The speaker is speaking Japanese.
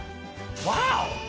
ワーオ！